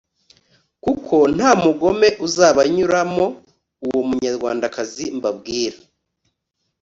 kuko nta mugome uzabanyuramouwo munyarwandakazi mbabwira